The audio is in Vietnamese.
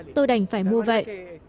tôi đành phải mua vậy